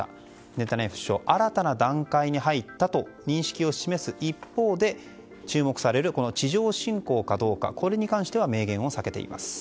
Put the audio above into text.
ネタニヤフ首相は新たな段階に入ったと認識を示す一方で注目される地上侵攻かどうかこれに関しては明言を避けています。